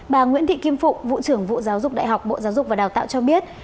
bà nguyễn thị kim phụng vụ trưởng vụ giáo dục đại học bộ giáo dục và đào tạo cho biết